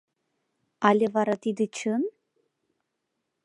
— Але вара тиде чын?